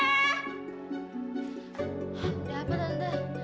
ada apa tante